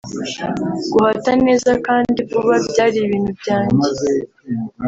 guhata neza kandi vuba byari ibintu byanjye